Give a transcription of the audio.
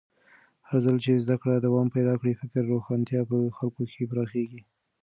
هرځل چې زده کړه دوام پیدا کړي، فکري روښانتیا په خلکو کې پراخېږي.